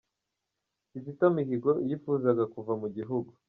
Kizito Mihigo yifuzaga kuva mu gihugu